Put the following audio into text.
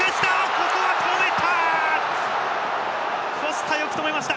ここは止めた！